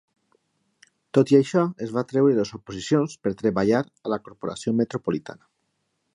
Tot i això, es va treure les oposicions per treballar a la Corporació Metropolitana.